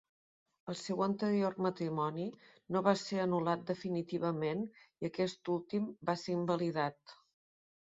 El seu anterior matrimoni no va ser anul·lat definitivament i aquest últim va ser invalidat.